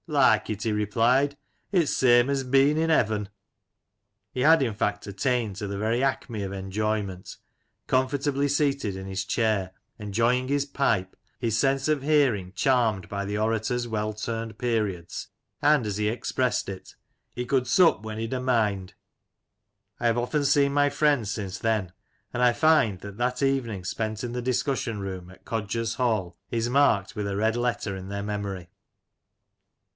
"Like it?" he replied. "Ifs same as being f heaven!" He had in fact attained to the very acme of enjoyment; comfortably seated in his chair, enjoying his pipe, his sense of hearing charmed by the orator's well turned periods, and, as he expressed it, "he could sup when he'd a mind." I have often seen my friends since then, and I find that that evening spent in the discussion room at " Coger's Hall " is marked with a red letter in their memory.